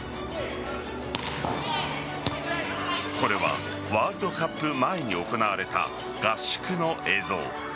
これはワールドカップ前に行われた合宿の映像。